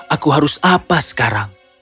aku harus apa sekarang